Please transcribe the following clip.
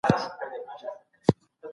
تاسي باید د پښتو ژبي اصالت وساتئ